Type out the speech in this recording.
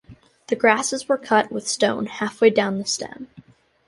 The grasses were cut with stone halfway down the stem.